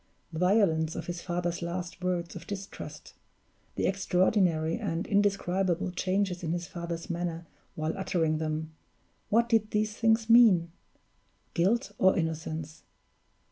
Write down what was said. The violence of his father's last words of distrust; the extraordinary and indescribable changes in his father's manner while uttering them what did these things mean? Guilt or innocence?